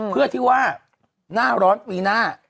เพื่อที่ว่าหน้าร้อนปีหน้า